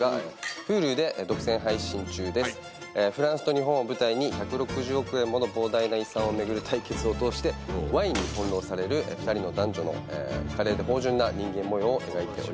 フランスと日本を舞台に１６０億円もの膨大な遺産を巡る対決を通してワインに翻弄される２人の男女の華麗で芳醇な人間模様を描いております。